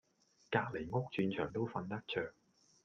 隔離屋鑽牆都瞓得著